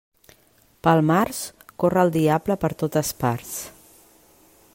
Pel març, corre el diable per totes parts.